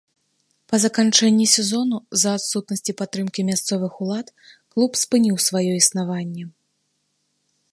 Па заканчэнні сезону, з-за адсутнасці падтрымкі мясцовых улад, клуб спыніў сваё існаванне.